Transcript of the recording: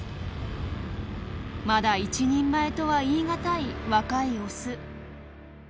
まだ一人前とは言い難い若いオス。